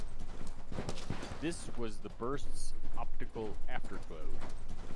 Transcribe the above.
This was the burst's optical afterglow.